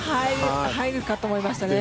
入るかと思いました。